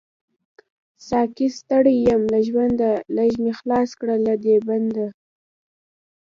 ساقۍ ستړی يم له ژونده، ليږ می خلاص کړه له دی بنده